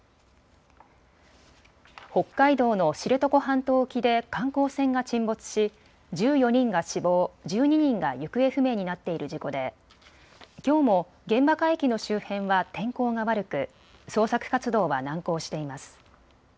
北海道の知床半島沖で観光船が沈没し１４人が死亡、１２人が行方不明になっている事故できょうも現場海域の周辺は天候が悪く捜索活動は難航しています。